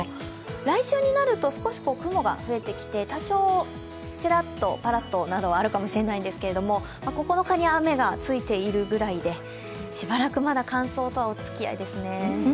来週になると少し雲が増えてきて多少、ちらっとパラッとなどはあるかもしれないんですけど、９日に雨がついているくらいでしばらくまだ乾燥とはおつきあいですね。